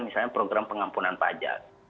misalnya program pengampunan pajak